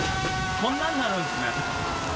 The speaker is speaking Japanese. こんなになるんですね。